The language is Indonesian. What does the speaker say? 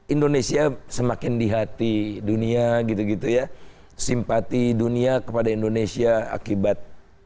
indonesia semakin di hati dunia gitu gitu ya simpati dunia kepada indonesia akibat